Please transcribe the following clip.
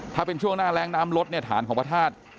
ถ้าเป็นช่วงหน้าแรงน้ำลดเนี่ยฐานของพระธาตุ